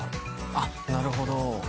あっなるほど。